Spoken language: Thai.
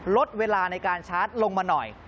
ลดเวลาในการชาร์จลงมาหน่อย